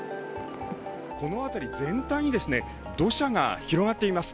この辺り全体に土砂が広がっています。